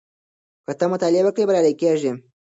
که ته مطالعه وکړې بریالی کېږې.